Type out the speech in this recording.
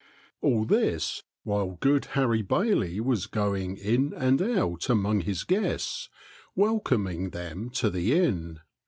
All this while good Harry Bailey was going in and out among his guests, welcoming them to the inn.